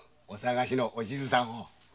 お捜しの「おしず」さんを。